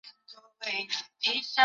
湖水主要靠冰雪融水径流补给。